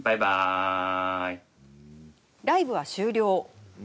ライブは終了。